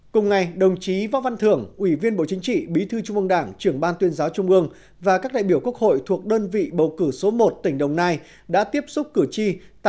cùng ngày đồng chí võ văn thưởng ủy viên bộ chính trị bí thư trung ương đảng trưởng ban tuyên giáo trung ương và các đại biểu quốc hội thuộc đơn vị bầu cử số một tỉnh đồng nai